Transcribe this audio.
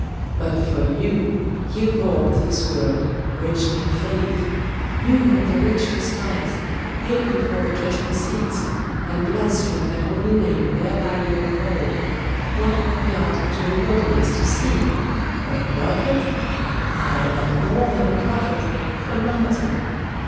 But for you, ye poor of this world, rich in faith, you whom the rich despise, hale before the judgment seats, and blaspheme that holy name whereby ye are called what went ye out into the wilderness to see? A prophet? Ay, and more than a prophet a martyr!